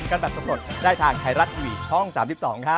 โอ้วน้าว